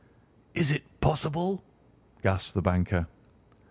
"Is it possible?" gasped the banker.